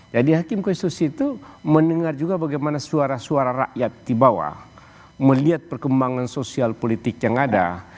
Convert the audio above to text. jadi hakim konstitusi itu mendengar juga bagaimana suara suara rakyat di bawah melihat perkembangan sosial politik yang ada